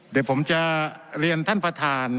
เดี๋ยวผมจะเรียนท่านประธาน